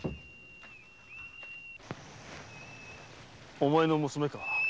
お前の娘か？